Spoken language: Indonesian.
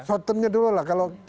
short term nya dulu lah